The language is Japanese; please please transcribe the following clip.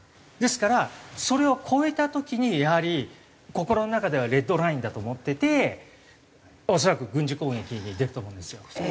ですからそれを越えた時にやはり心の中ではレッドラインだと思ってて恐らく軍事攻撃に出ると思うんですよ。